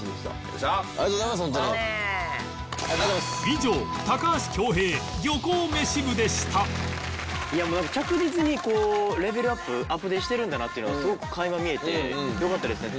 以上いやもうなんか着実にこうレベルアップアプデしてるんだなっていうのがすごく垣間見えてよかったですね。